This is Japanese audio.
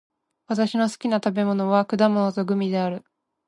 私の好きな食べ物は果物とグミである。